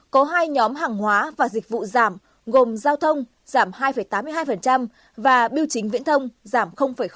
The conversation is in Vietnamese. có hai nhóm hàng hóa và dịch vụ giảm gồm giao thông giảm hai tám mươi hai và biêu chính viễn thông giảm bốn